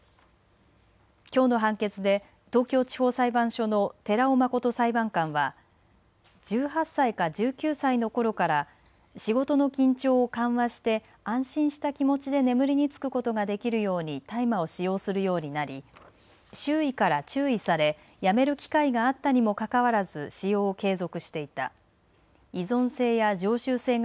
きょうの判決で東京地方裁判所の寺尾亮裁判官は１８歳から１９歳のころから仕事の緊張を緩和して安心した気持ちで眠りにつくことができるように大麻を使用するようになり周囲から注意されやめる機会があったにもかかわらず使用を継続していた。